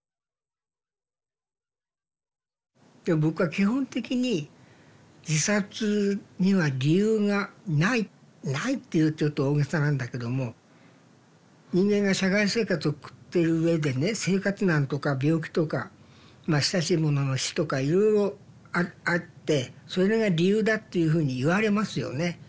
僕は基本的に自殺には理由がないないっていうとちょっと大げさなんだけども人間が社会生活を送ってるうえでね生活難とか病気とかまあ親しい者の死とかいろいろあってそれが理由だっていうふうにいわれますよね。